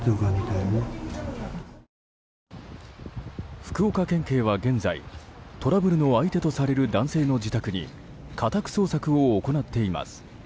福岡県警は現在トラブルの相手とされる男性の自宅に家宅捜索を行っています。